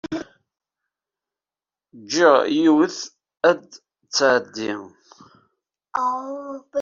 Jjiɣ yiwet ad tɛeddi.